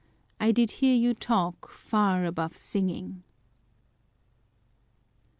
I did hear you talk Far above singing